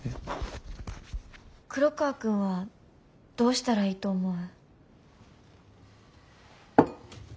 黒川くんはどうしたらいいと思う？